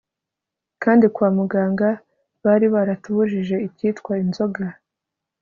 kandi kwa muganga bari baratubujije icyitwa inzoga